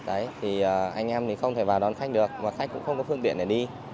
anh em thì không thể vào đón khách được và khách cũng không có phương tiện để đi